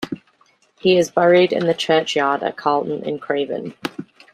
He is buried in the churchyard at Carleton-in-Craven.